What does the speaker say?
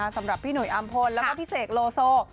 สำหรับพี่หน่อยอำพลและพี่เสกโรโซ